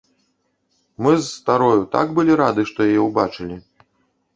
Мы з старою так былі рады, што яе ўбачылі!